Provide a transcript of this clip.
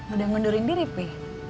udah ngundurin diri pi